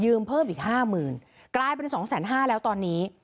ยืมเพิ่มอีก๕๐๐๐๐กลายเป็น๒๕๐๐๐๐แล้วตอนนี้